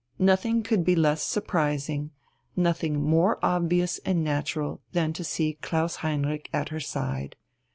Nothing could be less surprising, nothing more obvious and natural than to see Klaus Heinrich at her side.